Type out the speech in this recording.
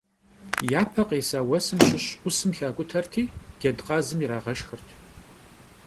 Yape khêsa vuesım şış 'usım xak'uterti cedkhazım yirağeşşxırt.